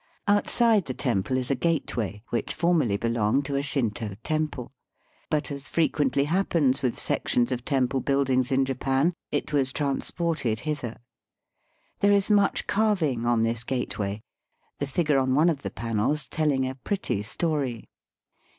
Outside the temple is a gateway, which formerly belonged to a Shinto temple, but, as frequently happens with sections of temple buildings in Japan, it was transported hither. There is much carving on this gateway, the figure on one of the panels telling a pretty story.